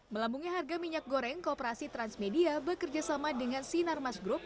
melambungi harga minyak goreng kooperasi transmedia bekerjasama dengan sinar mas group